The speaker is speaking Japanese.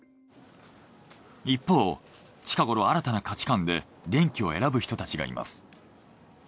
一方近ごろ新たな価値観で電気を選ぶ人たちがいます。